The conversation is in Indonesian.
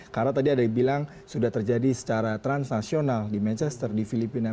karena tadi ada yang bilang sudah terjadi secara transnasional di manchester di filipina